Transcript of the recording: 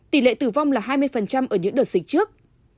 tỷ lệ tử vong là hai mươi ở những đợt dịch trước